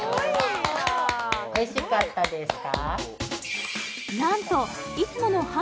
おいしかったですか？